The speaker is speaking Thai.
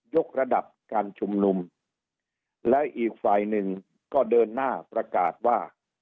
กระดับการชุมนุมแล้วอีกฝ่ายหนึ่งก็เดินหน้าประกาศว่า